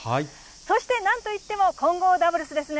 そしてなんといっても、混合ダブルスですね。